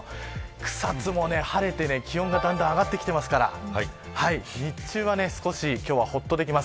草津も晴れて気温がだんだん上がってきてますから日中は、少しほっとできます。